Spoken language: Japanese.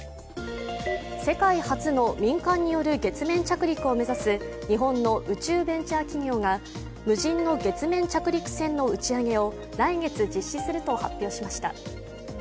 世界初の民間による月面着陸を目指す日本の宇宙ベンチャー企業が無人の月面着陸船の打ち上げを来月、実施すると発表しました。